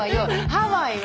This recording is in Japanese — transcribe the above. ハワイは。